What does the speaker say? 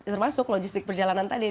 termasuk logistik perjalanan tadi